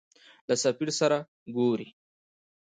له سفیر سره ګورې.